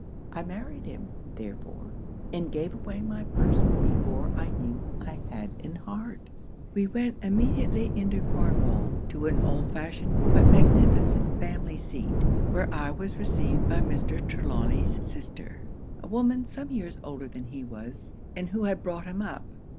I married him, therefore; and gave away my person before I knew I had an heart. 'We went immediately into Cornwall, to an old fashioned but magnificent family seat; where I was received by Mr. Trelawny's sister, a woman some years older than he was, and who had brought him up.